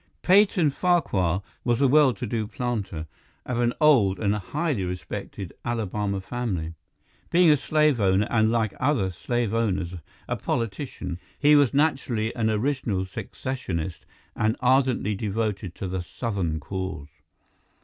II Peyton Farquhar was a well to do planter, of an old and highly respected Alabama family. Being a slave owner and like other slave owners a politician, he was naturally an original secessionist and ardently devoted to the Southern cause.